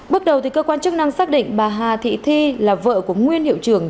bước đầu cơ quan chức năng xác định bà hà thị thi là vợ của nguyên hiệu trưởng